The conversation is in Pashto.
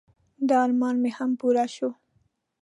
د ارمان مې هم پوره شو.